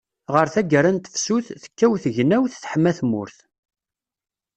Γer taggara n tefsut, tekkaw tegnawt, teḥma tmurt.